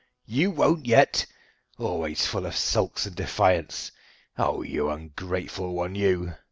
"You won't yet? Always full of sulks and defiance! Oh, you ungrateful one, you!"